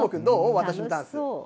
私のダンス。